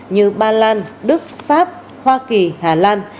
như ba lan đức pháp hoa kỳ hà lan